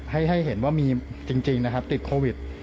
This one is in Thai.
ให้เห็นว่ามีจริงติดโควิด